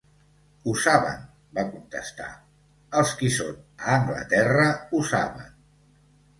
"Ho saben", va contestar, "els qui són a Anglaterra ho saben".